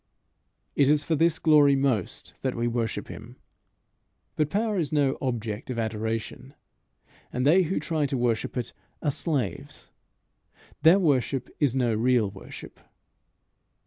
It is for this glory most that we worship him. But power is no object of adoration, and they who try to worship it are slaves. Their worship is no real worship.